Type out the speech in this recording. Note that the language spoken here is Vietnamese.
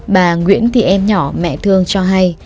bà nguyễn thì em nhỏ mẹ thương cho hay